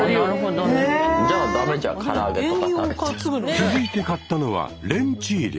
続いて買ったのはレンチーリャ。